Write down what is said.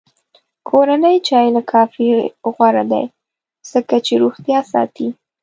کورنی چای له کافي غوره دی، ځکه چې روغتیا ساتي.